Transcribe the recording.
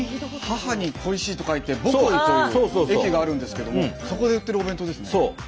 「母」に「恋しい」と書いて「母恋」という駅があるんですけどもそこで売ってるお弁当ですね。